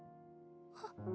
あっ。